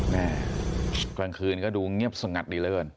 แม่กลางคืนก็ดูเงียบสงัดดีเหลือเกิน